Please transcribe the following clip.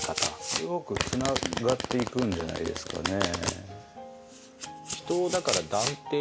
すごくつながっていくんじゃないですかね。